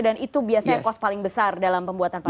dan itu biasanya kos paling besar dalam pembuatan partai